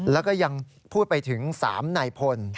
แล้วก็ยังพูดไปถึง๓นายพล